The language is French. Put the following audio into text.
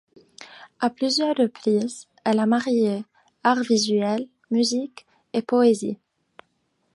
À plusieurs reprises, elle a marié art visuel, musique et poésie.